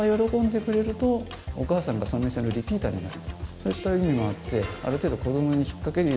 そういった意味もあって。